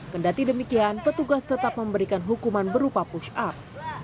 kendati demikian petugas tetap memberikan hukuman berupa push up